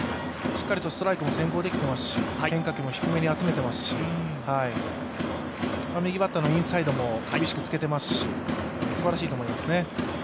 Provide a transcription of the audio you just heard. しっかりとストライクも先行できていますし変化球も低めに集めていますし、右バッターのインサイドも厳しくつけていますし、すばらしいと思いますね。